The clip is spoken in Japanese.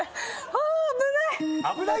あ危ない！